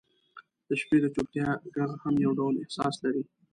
• د شپې د چوپتیا ږغ هم یو ډول احساس لري.